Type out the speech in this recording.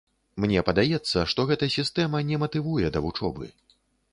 Мне падаецца, што гэта сістэма не матывуе да вучобы.